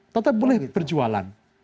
tetap boleh berjualan